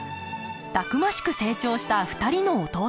たくましく成長した２人の弟。